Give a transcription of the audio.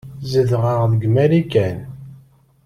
Zedɣeɣ deg Marikan.